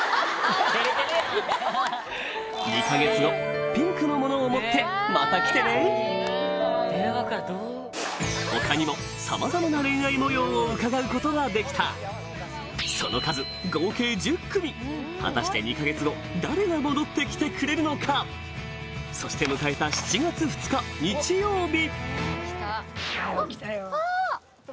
２か月後ピンクのものを持ってまた来てね他にもを伺うことができたその数合計１０組果たして２か月後誰が戻ってきてくれるのかそして迎えた７月２日日曜日あっあ！